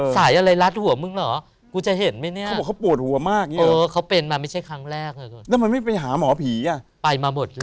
สายอะไรรัดหัวมึงหรอกูจะเห็นมั้ยเนี่ย